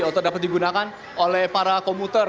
atau dapat digunakan oleh para komuter